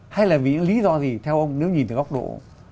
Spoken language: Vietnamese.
hay là vì những lý do gì theo ông nếu nhìn từ góc độ